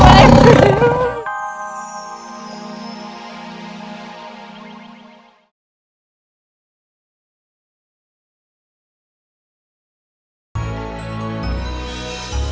kamu bisa kenceng